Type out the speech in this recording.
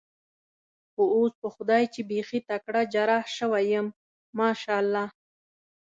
خو اوس په خدای چې بېخي تکړه جراح شوی یم، ماشاءالله.